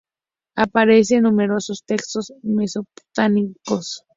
Aparece en numerosos textos mesopotámicos.